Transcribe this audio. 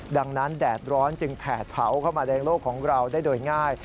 ดังนั้นแดดร้อนจึงแผดเผาเข้ามาในโลกของเราได้โดยง่าย